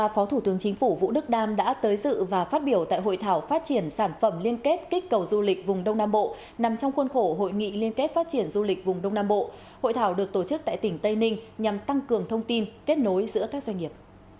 phó thủ tướng chính phủ vũ đức đam đã tới dự và phát biểu tại hội thảo phát triển sản phẩm liên kết kích cầu du lịch vùng đông nam bộ nằm trong khuôn khổ hội nghị liên kết phát triển du lịch vùng đông nam bộ hội thảo được tổ chức tại tỉnh tây ninh nhằm tăng cường thông tin kết nối giữa các doanh nghiệp